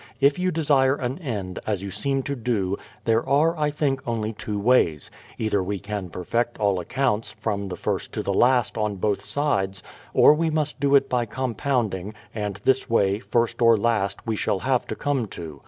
If j'ou desire an end, as you seem to do, there are, I think, only two ways : either we can perfect all accounts, from the first to the last, on both sides; or we must do it by compounding, and this way, first or last, we shall have to come to.